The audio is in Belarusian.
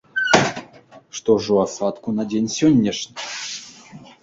Што ж у асадку на дзень сённяшні?